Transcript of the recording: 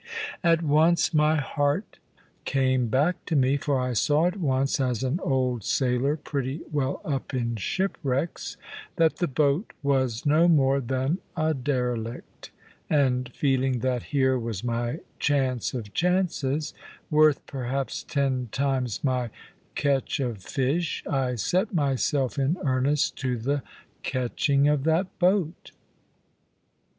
At once my heart came back to me; for I saw at once, as an old sailor pretty well up in shipwrecks, that the boat was no more than a derelict; and feeling that here was my chance of chances, worth perhaps ten times my catch of fish, I set myself in earnest to the catching of that boat.